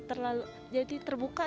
di alam lebih jadi terbuka